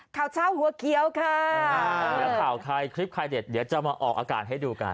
ข่าวเช้าหัวเขียวค่ะแล้วข่าวใครคลิปใครเด็ดเดี๋ยวจะมาออกอากาศให้ดูกัน